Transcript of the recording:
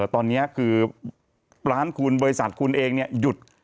ตอนนี้คือร้านคุณบริษัทคุณเองหยุด